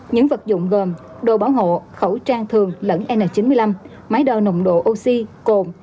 những vật dụng gồm đồ bảo hộ khẩu trang thường lẫn n chín mươi năm máy đo nồng độ oxy cồn